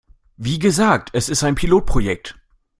Wie gesagt, es ist ein Pilotprojekt.